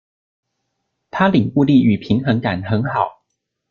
他領悟力與平衡感很好